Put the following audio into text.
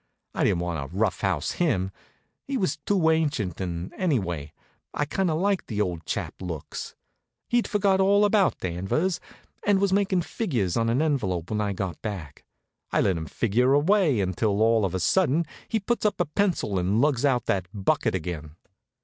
I didn't want to rough house him. He was too ancient; and anyway, I kind of liked the old chap's looks. He'd forgot all about Danvers, and was makin' figures on an envelope when I got back. I let him figure away, until all of a sudden he puts up his pencil and lugs out that bucket again.